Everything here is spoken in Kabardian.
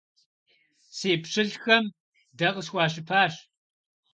Си пщылӀхэм дэ къысхуащыпащ!